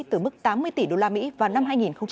từ mức tám mươi tỷ đô la mỹ vào năm hai nghìn hai mươi hai